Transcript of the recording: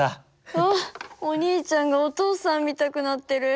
あお兄ちゃんがお父さんみたくなってる。